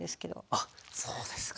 あっそうですか。